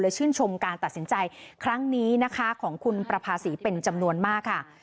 ชื่นชมการตัดสินใจครั้งนี้นะคะของคุณประภาษีเป็นจำนวนมากค่ะ